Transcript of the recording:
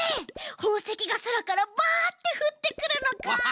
ほうせきがそらからバッてふってくるのか。